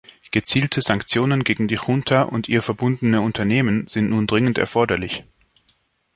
Gezielte Sanktionen gegen die Junta und ihr verbundene Unternehmen sind nun dringend erforderlich.